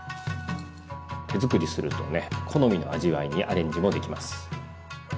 手づくりするとね好みの味わいにアレンジもできます。